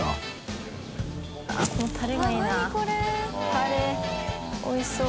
タレおいしそう。